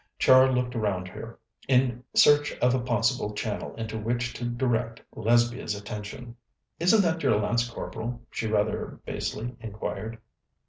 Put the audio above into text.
Char looked round her, in search of a possible channel into which to direct Lesbia's attention. "Isn't that your Lance Corporal?" she rather basely inquired.